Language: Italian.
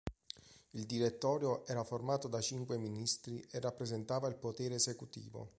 Il Direttorio era formato da cinque ministri e rappresentava il potere esecutivo.